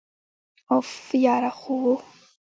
أف، یره خو!!